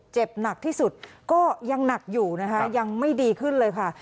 เจ็บหนักที่สุดก็ยังหนักอยู่นะคะยังไม่ดีขึ้นเลยค่ะ